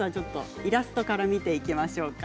イラストから見ていきましょうか。